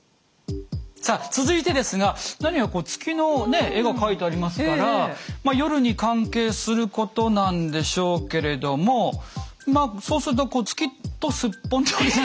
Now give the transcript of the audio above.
さあ続いてですが何やらこう月の絵が描いてありますからまあ夜に関係することなんでしょうけれどもまあそうすると「月とすっぽん」とか。